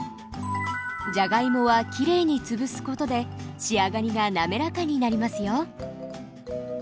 じゃがいもはきれいにつぶすことで仕上がりが滑らかになりますよ。